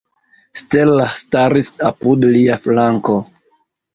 Stella staris apud lia flanko.